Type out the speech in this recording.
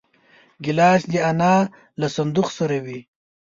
ګیلاس د انا له صندوق سره وي.